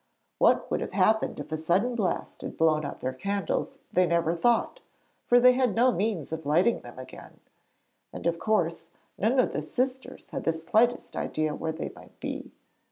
What would have happened if a sudden blast had blown out their candles, they never thought, for they had no means of lighting them again; and, of course, none of the Sisters had the slightest idea where they might be.